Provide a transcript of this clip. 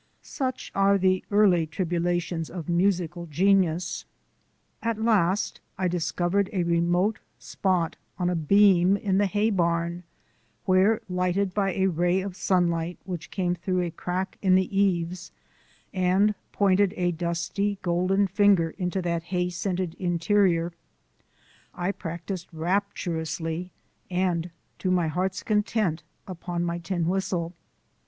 Such are the early tribulations of musical genius! At last I discovered a remote spot on a beam in the hay barn where, lighted by a ray of sunlight which came through a crack in the eaves and pointed a dusty golden finger into that hay scented interior, I practised rapturously and to my heart's content upon my tin whistle.